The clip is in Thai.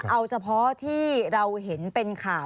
เอาเฉพาะที่เราเห็นเป็นข่าว